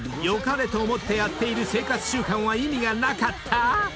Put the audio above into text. ［よかれと思ってやっている生活習慣は意味がなかった⁉］